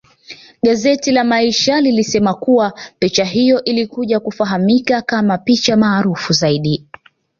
Gazeti la maisha ilisema kuwa picha hiyo ilikuja kufahamika kama picha maarufu zaidi